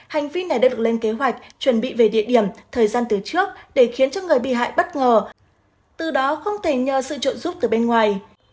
hành vi này đã được lên kế hoạch chuẩn bị về địa điểm thời gian từ trước để khiến cho người bị hại bất ngờ từ đó không thể nhờ sự trợ giúp từ bên ngoài